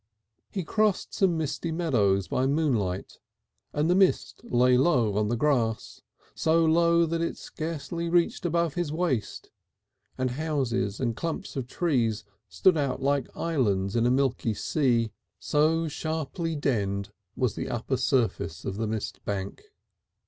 He crossed some misty meadows by moonlight and the mist lay low on the grass, so low that it scarcely reached above his waist, and houses and clumps of trees stood out like islands in a milky sea, so sharply denned was the upper surface of the mistbank.